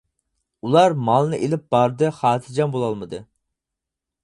ئۇلار مالنى ئېلىپ باردى، خاتىرجەم بولالمىدى.